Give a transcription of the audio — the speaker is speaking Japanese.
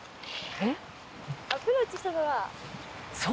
えっ？